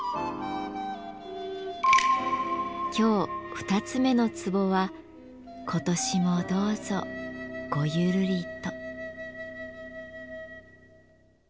今日２つ目の壺は「今年もどうぞ、ごゆるりと」。